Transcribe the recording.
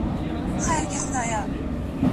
ایا عضلات د استراحت پر مهال کالوري سوځوي؟